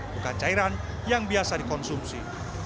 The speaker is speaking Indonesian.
bukan cairan yang biasa dikonsumsi